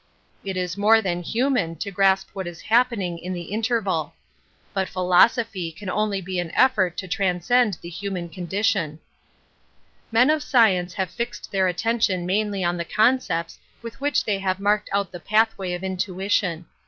It is more than human to grasp what is happening in the interval. But philosophy can only be an efEort to tran . Bcend the human condition, I Men of science have fixed their attention mainly on the concepts with which they have marked out the pathway of intuition.